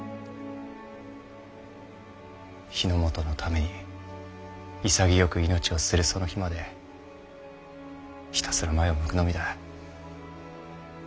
日の本のために潔く命を捨てるその日までひたすら前を向くのみだ。